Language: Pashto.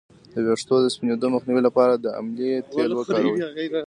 د ویښتو د سپینیدو مخنیوي لپاره د املې تېل وکاروئ